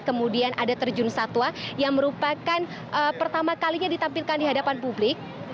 kemudian ada terjun satwa yang merupakan pertama kalinya ditampilkan di hadapan publik